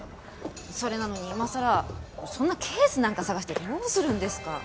それなのに今さらそんなケースなんか捜してどうするんですか？